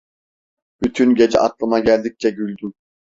Bütün gece aklıma geldikçe güldüm…